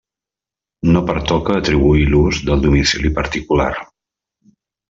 No pertoca atribuir l'ús del domicili particular.